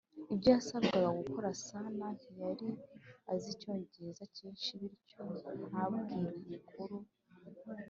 ibyo yasabwaga gukora Sanaa ntiyari azi Icyongereza cyinshi bityo ntabwire umukuru